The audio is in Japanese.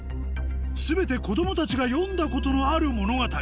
全て子供たちが読んだことのある物語